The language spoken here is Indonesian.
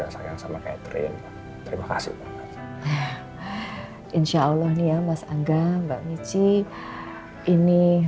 sayang sama catherine terima kasih insyaallah nih ya mas angga mbak mici ini